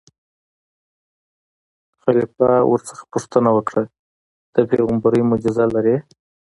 خلیفه ورنه پوښتنه وکړه: د پېغمبرۍ معجزه لرې.